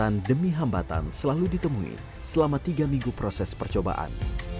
yang demi hambatan selalu ditemui selama tiga minggu proses percobaan